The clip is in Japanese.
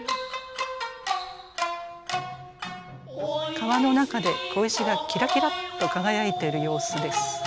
川の中で小石がキラキラっと輝いている様子です。